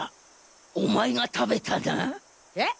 お前が食べたな？え！？